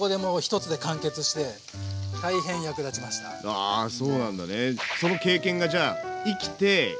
ああそうなんだね。